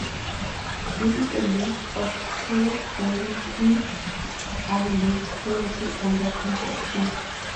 This is a list of the tallest buildings in Adelaide currently under construction.